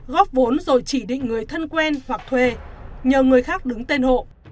góp vốn rồi chỉ định người thân quen hoặc thuê nhờ người khác đứng tên hộ